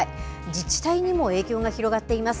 自治体にも影響が広がっています。